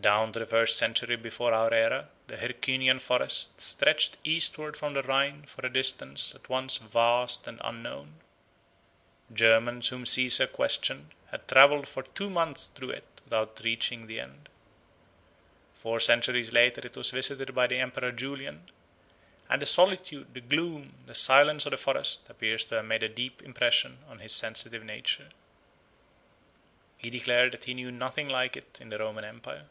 Down to the first century before our era the Hercynian forest stretched eastward from the Rhine for a distance at once vast and unknown; Germans whom Caesar questioned had travelled for two months through it without reaching the end. Four centuries later it was visited by the Emperor Julian, and the solitude, the gloom, the silence of the forest appear to have made a deep impression on his sensitive nature. He declared that he knew nothing like it in the Roman empire.